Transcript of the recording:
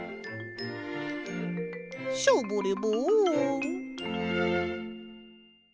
ショボレボン。